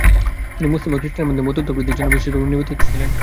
তিনি মুসলিম ও খ্রিষ্টানদের মধ্যে বন্ধুত্ব বৃদ্ধির জন্য বিশেষভাবে নিবেদিত ছিলেন।